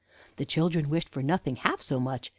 The children wished for nothing half so much.